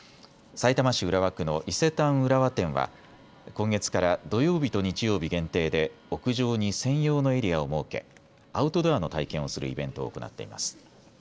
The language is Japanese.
さいたま市浦和区の伊勢丹浦和店は今月から土曜日と日曜日限定で屋上に専用のエリアを設けアウトドアの体験をするイベントを行っています。